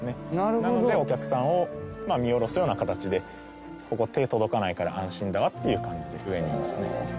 なのでお客さんを見下ろすような形でここ手届かないから安心だわっていう感じで上にいますね。